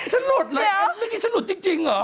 ฉันหลุดเหรอเมื่อกี้ฉันหลุดจริงเหรอเดี๋ยว